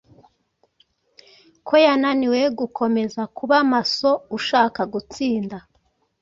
ko yananiwe gukomeza kuba masoushaka gutsinda